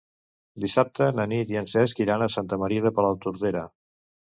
Dissabte na Nit i en Cesc iran a Santa Maria de Palautordera.